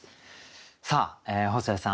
さあ細谷さん